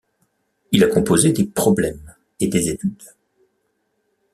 Il a composé des problèmes et des études.